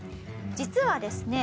実はですね